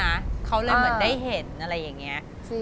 เขาเลยเหมือนได้เห็นอะไรอย่างนี้